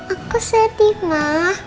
aku sedih ma